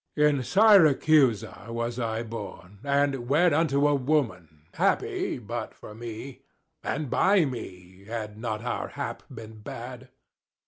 In Syracusa was I born; and wed Unto a woman, happy but for me, And by me, had not our hap been bad.